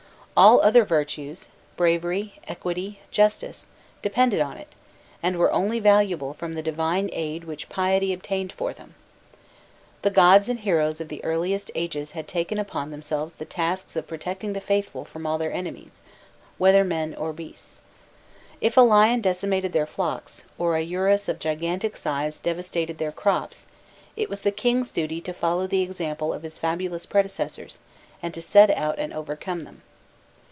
All other virtues bravery, equity, justice depended on it, and were only valuable from the divine aid which piety obtained for them. The gods and heroes of the earliest ages had taken upon themselves the task of protecting the faithful from all their enemies, whether men or beasts. If a lion decimated their flocks, or a urus of gigantic size devastated their crops, it was the king's duty to follow the example of his fabulous predecessors and to set out and overcome them.